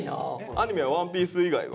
アニメは「ＯＮＥＰＩＥＣＥ」以外は？